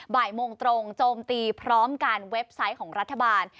บ่ายโมงตรงโจมตีพร้อมการเว็บไซต์ของรัฐบาล